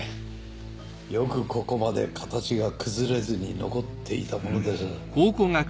よくここまで形が崩れずに残っていたものです。